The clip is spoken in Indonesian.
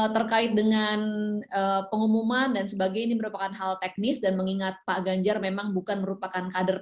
terkait dengan pengumuman dan sebagainya ini merupakan hal teknis dan mengingat pak ganjar memang bukan merupakan kader